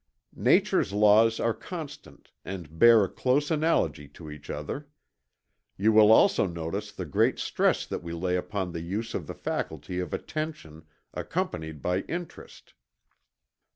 Nature's laws are constant, and bear a close analogy to each other. You will also notice the great stress that we lay upon the use of the faculty of attention, accompanied by interest.